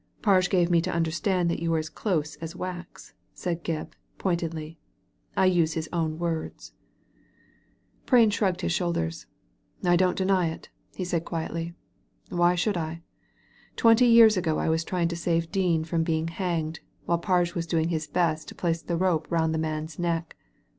" Farge gave me to understand yon were as close as wax " said Gebb, pointedly. * I use his own words." Digitized by Google MR. PRAIN, SOLICITOR 83 Prain slirugged his shoulders. "I don't deny it," he said quietly. "Why should I? Twenty years ago I was trying to save Dean from being hanged, while Pai^e was doing his best to place the rope round the man's neck.